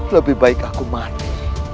lebih baik aku mati